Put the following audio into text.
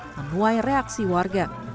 menuai reaksi warga